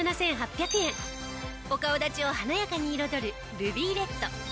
お顔立ちを華やかに彩るルビーレッド。